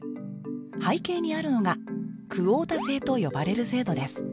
背景にあるのがクオータ制と呼ばれる制度です